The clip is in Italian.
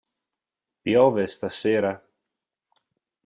Piove stasera?